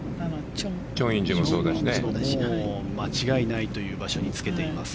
チョン・インジは間違いないという場所につけています。